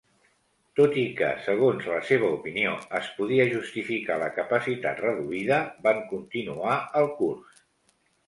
Tot i que, segons la seva opinió, es podia justificar la capacitat reduïda, van continuar el curs.